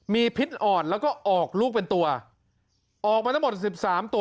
มีพิษอ่อนแล้วก็ออกลูกเป็นตัวออกมาทั้งหมดสิบสามตัว